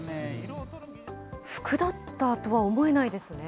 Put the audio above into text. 服だったとは思えないですね。